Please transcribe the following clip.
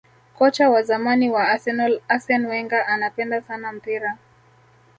kocha wa zamani wa arsenal arsene wenger anapenda sana mpira